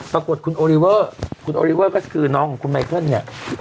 ปรากฏคุณโอลิเวอร์คุณโอลิเวอร์ก็คือน้องของคุณไมเคิลเนี่ย